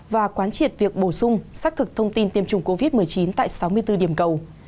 và quán triệt việc bổ sung xác thực thông tin tiêm chủng covid một mươi chín tại sáu mươi bốn điểm cầu